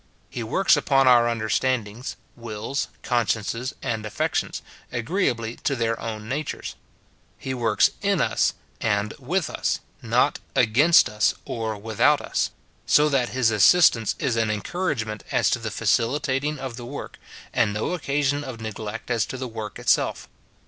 He works upon our under standings, wills, consciences, and affections, agreeably to their own natures ; he works in us and with us, not against us or ^vitJiout us ; so that his assistance is an encouragement as to the facilitating of the work, and no occasion of neglect as to the work itself.